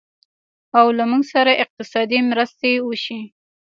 او له موږ سره اقتصادي مرستې وشي